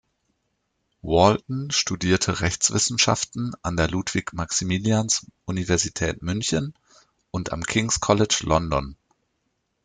Walton studierte Rechtswissenschaften an der Ludwig-Maximilians-Universität München und am King’s College London.